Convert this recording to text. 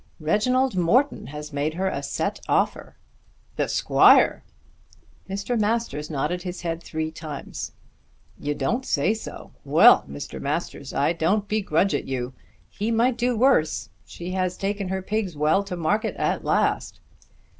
"Reginald Morton has made her a set offer." "The squire!" Mr. Masters nodded his head three times. "You don't say so. Well, Mr. Masters, I don't begrudge it you. He might do worse. She has taken her pigs well to market at last!"